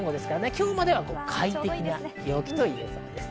今日までは快適な陽気といえそうです。